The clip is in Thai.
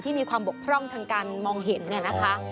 มีความบกพร่องทางการมองเห็นเนี่ยนะคะ